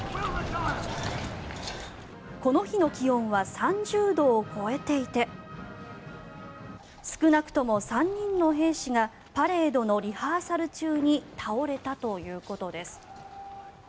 この日の気温は３０度を超えていて少なくとも３人の兵士がパレードのリハーサル中に倒れたということです。